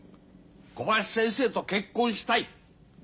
小林先生と結婚したい